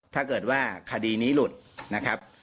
ถ้าเกิดว่าคดีนี้หลุดนะครับ